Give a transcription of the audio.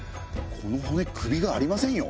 この骨首がありませんよ。